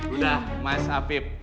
udah mas apip